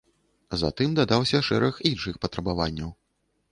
Затым дадаўся шэраг іншых патрабаванняў.